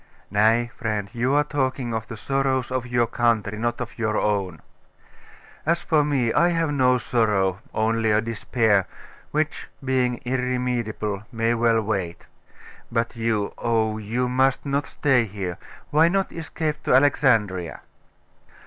'Nay, friend, you are talking of the sorrows of your country, not of your own. As for me, I have no sorrow only a despair: which, being irremediable, may well wait. But you oh, you must not stay here. Why not escape to Alexandria?